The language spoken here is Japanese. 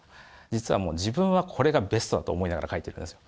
実は自分はこれがベストだと思いながら書いていくんです。